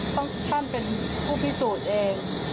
ท่านเป็นผู้พิสูจน์เอง